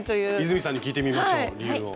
泉さんに聞いてみましょう理由を。